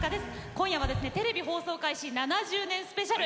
今日はテレビ放送開始７０年スペシャル。